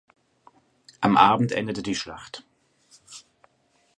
Am Abend endete die Schlacht.